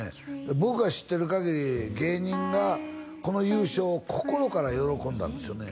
僕が知ってるかぎり芸人がこの優勝を心から喜んだんですよね